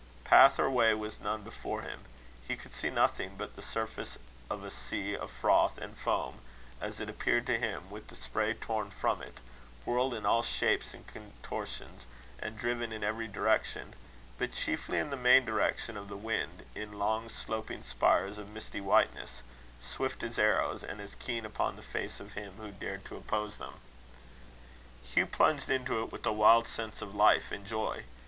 Path or way was none before him. He could see nothing but the surface of a sea of froth and foam, as it appeared to him, with the spray torn from it, whirled in all shapes and contortions, and driven in every direction; but chiefly, in the main direction of the wind, in long sloping spires of misty whiteness, swift as arrows, and as keen upon the face of him who dared to oppose them. Hugh plunged into it with a wild sense of life and joy.